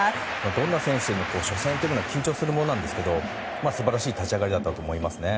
どんな選手でも初戦は緊張するものですが素晴らしい立ち上がりだったと思いますね。